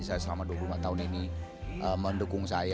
saya selama dua puluh lima tahun ini mendukung saya